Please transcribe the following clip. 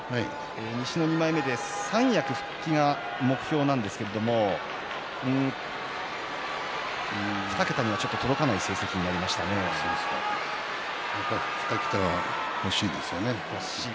西の２枚目で三役復帰が目標なんですけれども２桁にはちょっと届かない成績に２桁欲しいですよね。